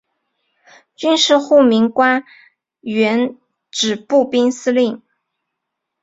军事护民官原指步兵司令。